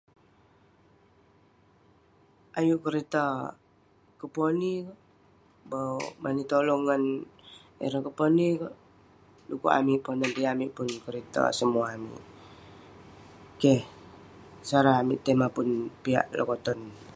Ayuk kerita koponi, mani tolong ngan ireh koponi kek. Dukuk amik ponan iteuk yeng amik pun kerita amik, semua amik. Keh sara amik tei mapun piak lokoton.